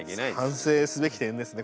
反省すべき点ですね